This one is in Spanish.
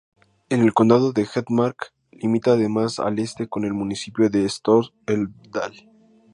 En el condado de Hedmark, limita además al este con el municipio de Stor-Elvdal.